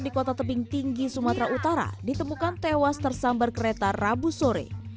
di kota tebing tinggi sumatera utara ditemukan tewas tersambar kereta rabu sore